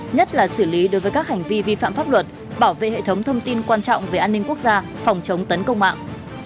nhất là xử lý đối với các hành vi vi phạm pháp luật bảo vệ hệ thống thông tin quan trọng về an ninh quốc gia phòng chống tấn công mạng